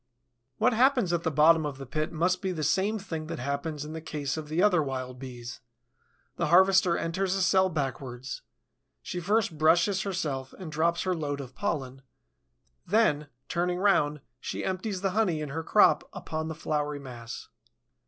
What happens at the bottom of the pit must be the same thing that happens in the case of the other Wild Bees. The harvester enters a cell backwards; she first brushes herself and drops her load of pollen; then, turning round, she empties the honey in her crop upon the floury mass.